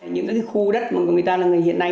những cái khu đất mà người ta hiện nay